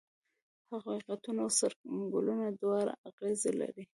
حقیقتونه او سره ګلونه دواړه اغزي لري.